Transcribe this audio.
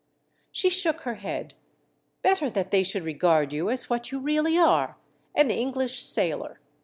339 She shook her head. Better that they should regard you as what you really are — an English sailor.